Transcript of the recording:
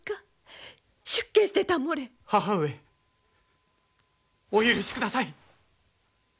母上お許しください！